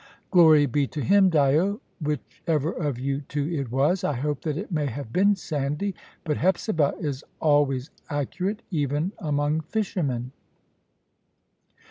"Glory be to Him, Dyo, whichever of you two it was! I hope that it may have been Sandy. But Hepzibah is always accurate, even among fishermen."